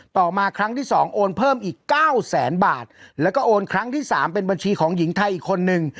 ต่อมาครั้งที่สองโอนเพิ่มอีกเก้าแสนบาทแล้วก็โอนครั้งที่สามเป็นบัญชีของหญิงไทยอีกคนนึง